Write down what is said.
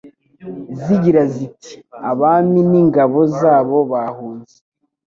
zigira ziti Abami n’ingabo zabo bahunze